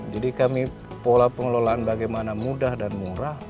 jadi kami pola pengelolaan bagaimana mudah dan murah